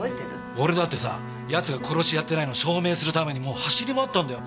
俺だってさ奴が殺しやってないの証明するためにもう走り回ったんだよ。